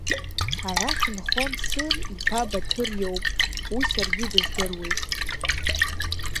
Арахь инхо Мсыр иԥа Баҭыр иоуп, уи саргьы дыздыруеит.